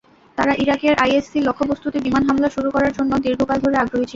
তারা ইরাকের আইএসসি লক্ষ্যবস্তুতে বিমান হামলা শুরু করার জন্য দীর্ঘকাল ধরে আগ্রহী ছিল।